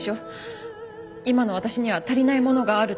今の私には足りないものがあるって。